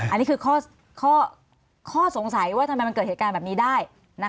อันนี้คือข้อสงสัยว่าทำไมมันเกิดเหตุการณ์แบบนี้ได้